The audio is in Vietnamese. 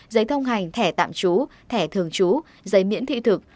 giấy thông hành thẻ tạm trú thẻ thường trú giấy miễn thị thực